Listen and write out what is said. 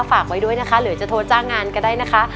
ฝากไว้ด้วยนะคะหรือจะโทรจ้างงานก็ได้นะคะ